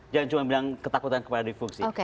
jangan cuma bilang ketakutan kepada difungsi